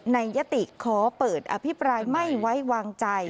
ยติขอเปิดอภิปรายไม่ไว้วางใจ